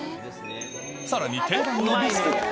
さらに定番のビスケット。